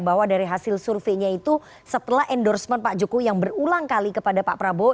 bahwa dari hasil surveinya itu setelah endorsement pak jokowi yang berulang kali kepada pak prabowo